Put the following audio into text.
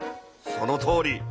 そのとおり。